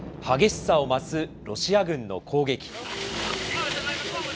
激しさを増すロシア軍の攻撃。